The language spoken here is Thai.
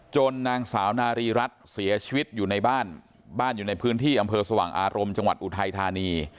นางสาวนารีรัฐเสียชีวิตอยู่ในบ้านบ้านอยู่ในพื้นที่อำเภอสว่างอารมณ์จังหวัดอุทัยธานี